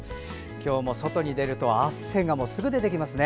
今日も外に出ると汗がすぐ出てきますね。